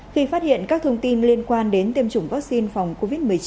khi phát hiện các thông tin liên quan đến tiêm chủng vaccine phòng covid một mươi chín